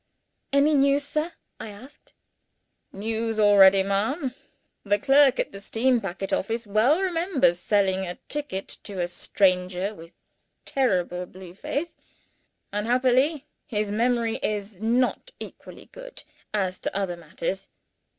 "Any news, sir?" I asked. "News already, ma'am. The clerk at the steam packet office perfectly well remembers selling a ticket to a stranger with a terrible blue face. Unhappily, his memory is not equally good, as to other matters.